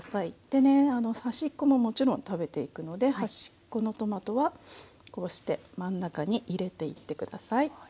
でね端っこももちろん食べていくので端っこのトマトはこうして真ん中に入れていって下さい。